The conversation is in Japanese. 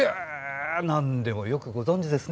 何でもよくご存じなんですね